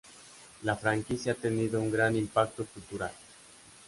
La franquicia ha tenido un gran impacto cultural.